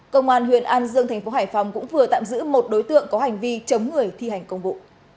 công an huyện an dương thành phố hải phòng cũng vừa tạm giữ một đối tượng có hành vi chống người thi hành công vụ